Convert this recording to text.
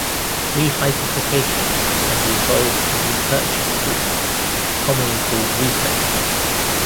Rehypothecation can be involved in repurchase agreements, commonly called repos.